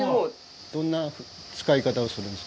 どんな使い方をするんですか？